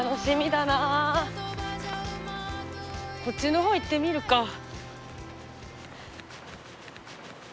こっちのほう行ってみるか。